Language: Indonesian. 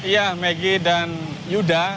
ya megi dan yuda